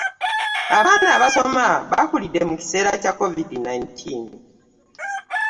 Abaana abasoma bakulidde mu kiseera kya covid nineteen.